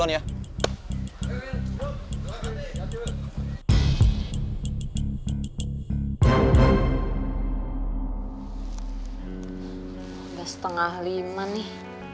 udah setengah lima nih